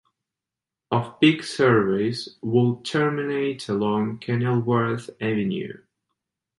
Off peak service would terminate along Kenilworth Avenue.